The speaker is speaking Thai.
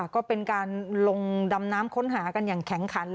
ก็เป็นการลงดำน้ำค้นหากันอย่างแข็งขัน